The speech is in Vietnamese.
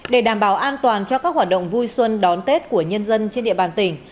để đảm bảo an toàn cho các hoạt động vui xuân đón tết của nhân dân trên địa bàn tỉnh